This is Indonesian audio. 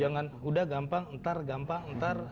jangan udah gampang ntar gampang ntar